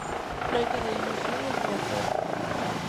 Noite de ilusión en Riazor.